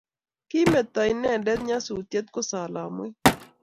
Kimeto inendet nyasutiet ko solomwet